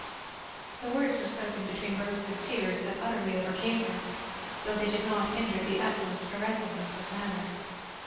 The words were spoken between bursts of tears that utterly overcame her, though they did not hinder the utmost caressingness of manner.